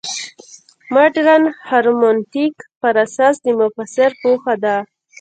مډرن هرمنوتیک پر اساس د مفسر پوهه ده.